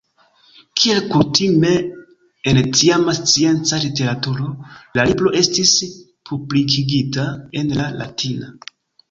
Kiel kutime en tiama scienca literaturo, la libro estis publikigita en la latina.